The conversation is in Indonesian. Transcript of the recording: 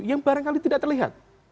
yang barangkali tidak terlihat